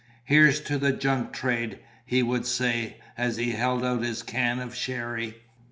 "Here's to the junk trade!" he would say, as he held out his can of sherry.